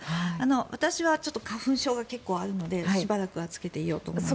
私はちょっと花粉症が結構、あるのでしばらくは着けていようと思います。